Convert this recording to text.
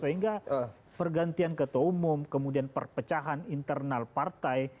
sehingga pergantian ketua umum kemudian perpecahan internal partai